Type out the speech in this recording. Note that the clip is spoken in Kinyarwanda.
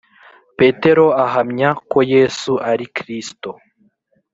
Petero ahamya ko Yesu ari Kristo